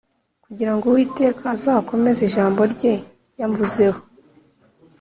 kugira ngo Uwiteka azakomeze ijambo rye yamvuzeho